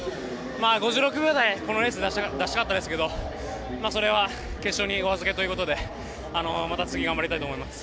５６秒台、このレースで出したかったですけどそれは決勝にお預けということで次頑張りたいと思います。